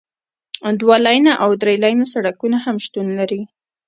دوه لینه او درې لینه سړکونه هم شتون لري